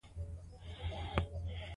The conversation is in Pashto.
د خپلو خلکو خدمت وکړئ.